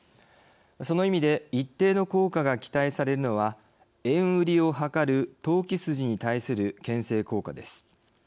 その意味で一定の効果が期待されるのは円売りを図る投機筋に対するけん制効果です。